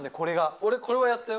俺、これはやったよ。